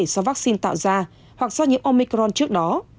do vaccine tạo ra hoặc do nhiễm omicron trước đó